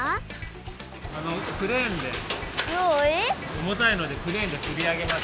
クレーンでおもたいのでクレーンでつりあげます。